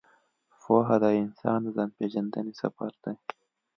پوهه د انسان د ځان پېژندنې سفر دی.